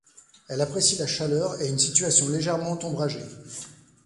Elles apprécie la chaleur et une situation légèrement ombragée.